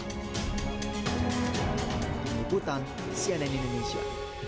dini putan cnn indonesia